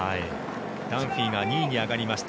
ダンフィーが２位に上がりました。